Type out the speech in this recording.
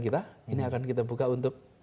kita ini akan kita buka untuk